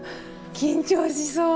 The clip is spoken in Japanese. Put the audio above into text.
緊張しそう。